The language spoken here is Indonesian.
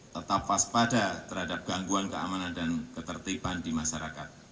tetap waspada terhadap gangguan keamanan dan ketertiban di masyarakat